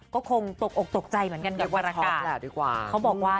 ก็คงตกอกตกใจเหมือนกันกับภารกาศเขาบอกว่า